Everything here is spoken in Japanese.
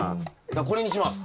これにします。